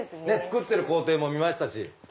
作ってる工程も見ましたし。